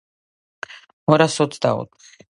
ორას ოცდაოთხი.